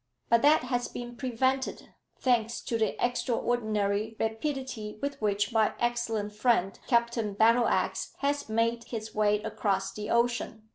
"But that has been prevented, thanks to the extraordinary rapidity with which my excellent friend Captain Battleax has made his way across the ocean.